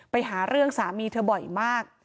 ไปหาเรื่องสามีเธอบ่อยมาก